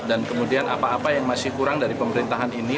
dan kemudian apa apa yang masih kurang dari pemerintahan ini